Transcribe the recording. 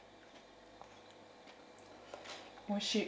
おいしい。